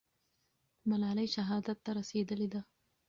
ملالۍ شهادت ته رسېدلې ده.